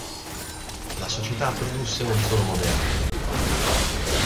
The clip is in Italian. La società produsse solo un modello.